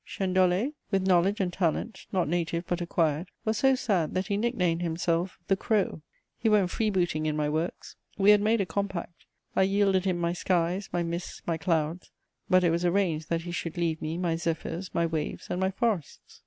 Chênedollé, with knowledge and talent, not native but acquired, was so sad that he nicknamed himself the "Crow:" he went freebooting in my works. We had made a compact: I yielded him my skies, my mists, my clouds; but it was arranged that he should leave me my zephyrs, my waves, and my forests.